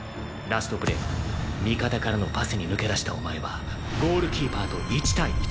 ラストプレー味方からのパスに抜け出したお前はゴールキーパーと１対１。